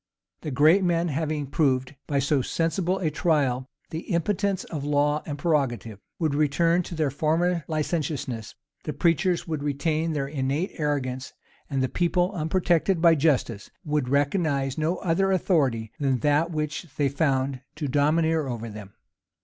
The great men, having proved by so sensible a trial the impotence of law and prerogative, would return to their former licentiousness: the preachers would retain their innate arrogance: and the people, unprotected by justice, would recognize no other authority than that which they found to domineer over them.